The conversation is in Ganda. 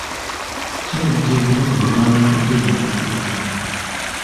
Kirabika ebirabo bye baamuwadde byabadde bitono.